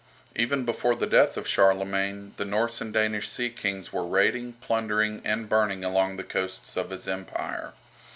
Even before the death of Charlemagne the Norse and Danish sea kings were raiding, plundering, and burning along the coasts of his Empire.